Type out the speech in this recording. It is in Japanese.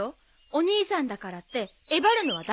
お兄さんだからってえばるのは駄目だよ。